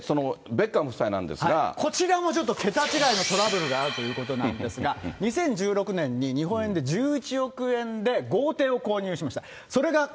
こちらもちょっと桁違いのトラブルがあるということなんですが、２０１６年に日本円で１１億円で豪邸を購入しました。